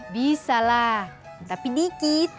bisa lah tapi dikit